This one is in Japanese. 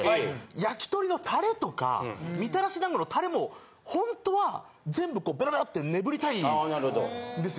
焼き鳥のタレとかみたらし団子のタレもホントは全部こうベロベロってねぶりたいんですよ。